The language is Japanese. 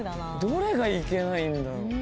どれがいけないんだろう。